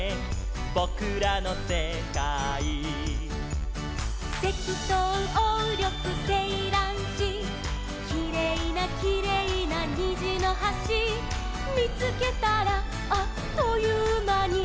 「ぼくらのせかい」「セキトウオウリョクセイランシ」「きれいなきれいなにじのはし」「みつけたらあっというまに」